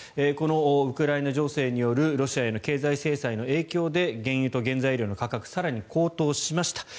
このウクライナ情勢によるロシアへの経済制裁の影響で原油と原材料の価格が更に高騰しました。